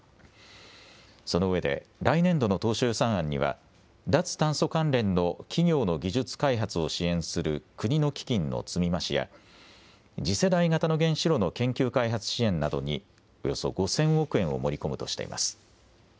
そのうえで来年度の当初予算案には脱炭素関連の企業の技術開発を支援する国の基金の積み増しや次世代型の原子炉の研究開発支援などにおよそ５０００億円を盛り込むとしています。